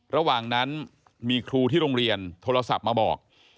ระหว่างนั้นมีครูที่โรงเรียนโทรศัพท์มาบอก